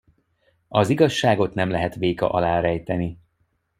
Az igazságot nem lehet véka alá rejteni.